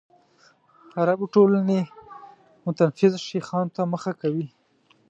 عربي ټولنې متنفذو شیخانو ته مخه کوي.